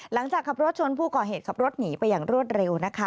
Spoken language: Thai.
หลังจากขับรถชนผู้ก่อเหตุขับรถหนีไปอย่างรวดเร็วนะคะ